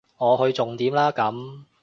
我去重點啦咁